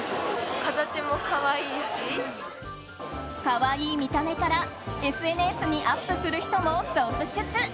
可愛い見た目から、ＳＮＳにアップする人も続出。